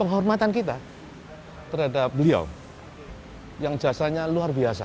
penghormatan kita terhadap beliau yang jasanya luar biasa